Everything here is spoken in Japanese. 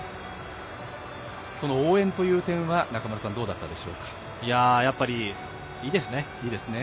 その応援という点はやっぱり、いいですね。